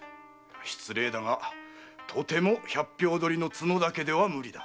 失礼だがとても百俵取りの角田家では無理だ。